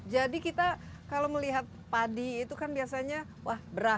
jadi kita kalau melihat padi itu kan biasanya beras